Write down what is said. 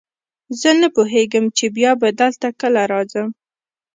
زه نه پوهېږم چې بیا به دلته کله راځم.